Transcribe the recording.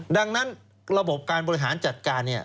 ดังนั้นระบบการบริหารจัดการ